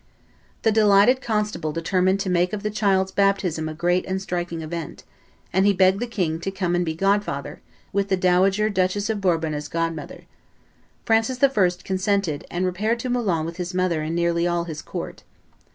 The delighted constable determined to make of the child's baptism a great and striking event; and he begged the king to come and be godfather, with the dowager Duchess of Bourbon as godmother. Francis I. consented and repaired to Moulins with his mother and nearly all his court.